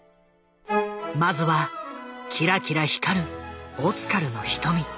まずはキラキラ光るオスカルの瞳。